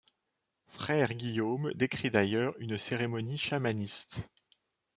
Frère Guillaume décrit d'ailleurs une cérémonie chamaniste.